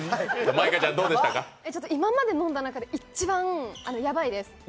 今まで飲んだ中で一番ヤバいです。